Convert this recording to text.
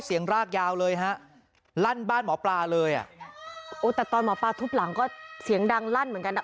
รากยาวเลยฮะลั่นบ้านหมอปลาเลยอ่ะโอ้แต่ตอนหมอปลาทุบหลังก็เสียงดังลั่นเหมือนกันอ่ะ